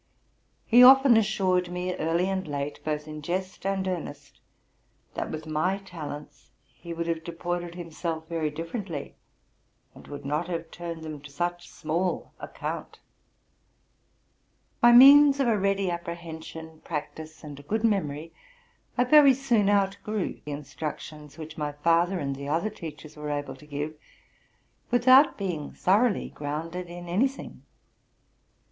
He often assured me, early and late, both in jest and earnest, that with my talents he would have deported himself very differ ently, and would not, have turned them to such small account By means of a ready apprehension, practice, and a good memory, I very soon outgrew the instructions which my father and the other teachers were able to give, without being thoroughly grounded in any thing.